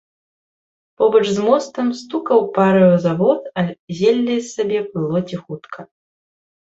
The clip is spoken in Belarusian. Побач з мостам стукаў параю завод, а зелле сабе плыло ціхутка.